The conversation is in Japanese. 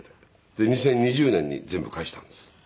で２０２０年に全部返したんです。